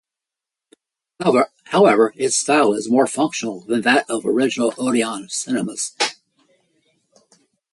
However, its style is more functional than that of original Odeon cinemas.